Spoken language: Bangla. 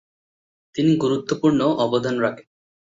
তিনি গুরুত্বপূর্ণ অবদান রাখেন।